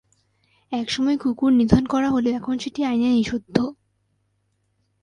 এক সময় কুকুর নিধন করা হলেও এখন সেটি আইনে নিষিদ্ধ।